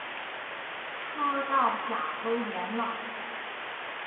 磕到甲沟炎了！